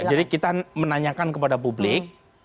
jadi kita menanyakan kepada publik